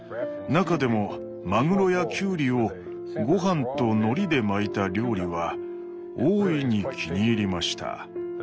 中でもマグロやキュウリをごはんとのりで巻いた料理は大いに気に入りました。